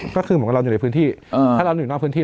ก็คือเหมือนเราอยู่ในพื้นที่